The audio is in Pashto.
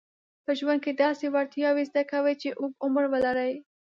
په ژوند کې داسې وړتیاوې زده کوي چې اوږد عمر ولري.